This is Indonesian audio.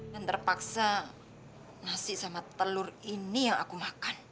dan terpaksa nasi sama telur ini yang aku makan